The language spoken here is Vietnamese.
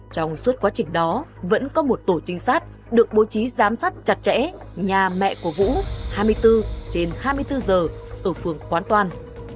trong suốt quá trình đó vẫn có một tổ trinh sát được bố trí giám sát chặt chẽ nhà mẹ của vũ hai mươi bốn trên hai mươi bốn giờ ở phường quán toan